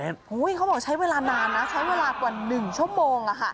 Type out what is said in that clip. เขาบอกใช้เวลานานนะใช้เวลากว่า๑ชั่วโมง